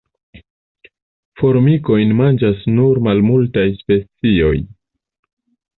Formikojn manĝas nur malmultaj specioj.